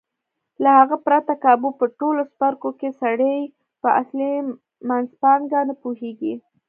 له هغه پرته کابو په ټولو څپرکو کې سړی په اصلي منځپانګه نه پوهېږي.